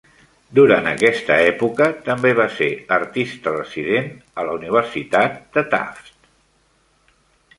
Durant aquesta època, també va ser artista resident a la Universitat de Tufts.